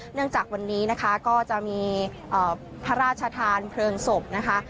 จากวันนี้นะคะก็จะมีพระราชทานเพลิงศพนะคะ